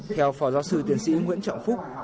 theo phò giáo sư tiến sĩ nguyễn trọng phúc